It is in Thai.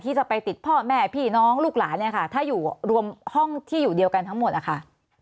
ที่จะไปติดพ่อแม่พี่น้องลูกหลานเนี่ยค่ะถ้าอยู่รวมห้องที่อยู่เดียวกันทั้งหมดนะคะ